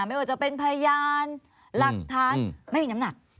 ไม่ว่าจะเป็นพยานหลักฐานไม่มีน้ำหนัก